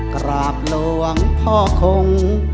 กราบหลวงพ่อคง